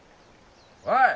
おい！